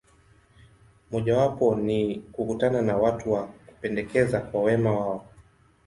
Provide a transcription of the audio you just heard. Mojawapo ni kukutana na watu wa kupendeza kwa wema wao.